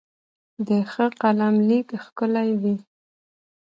د ښه قلم لیک ښکلی وي.